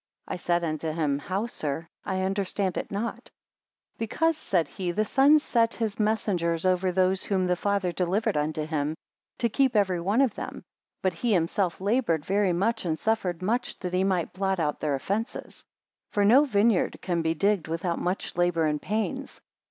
I said unto him, how, sir? I understand it not. 51 Because, said he, the Son set his messengers over those whom the Father delivered unto him, to keep every one of them; but he himself laboured very much, and suffered much, that he might blot out their offences. 52 For no vineyard can be digged without much labour and pains.